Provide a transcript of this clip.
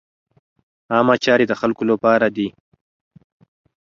عامه چارې د خلکو له پاره دي.